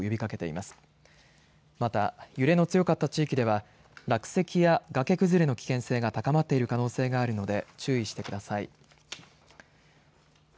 また揺れの強かった地域では落石や崖崩れの危険性が高まっている可能性があるので注意してください。